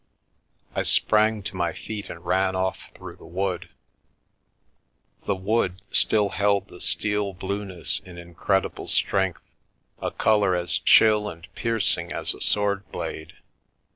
I sprang to my feet and ran off through the wood. The wood still held the steel blueness in incredible strength — a colour as chill and piercing as a sword blade.